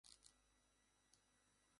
আপনি তার রাজনৈতিক দিক সম্পর্কে নিশ্চিত?